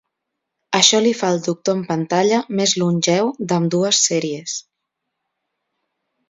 Això li fa el Doctor en pantalla més longeu d'ambdues sèries.